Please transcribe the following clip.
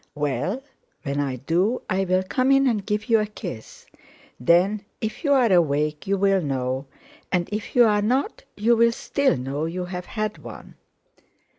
"Well, when I do, I'll come in and give you a kiss, then if you're awake you'll know, and if you're not you'll still know you've had one."